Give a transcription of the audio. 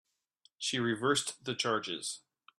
She reversed the charges.